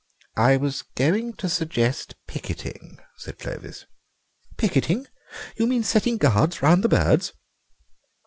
"I was going to suggest picketing," said Clovis. "Picketing! You mean setting guards round the birds?"